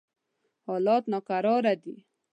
حالات ناکراره دي.